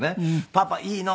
「パパいいの！